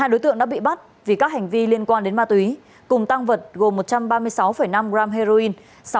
hai đối tượng đã bị bắt vì các hành vi liên quan đến ma túy cùng tăng vật gồm một trăm ba mươi sáu năm gram heroin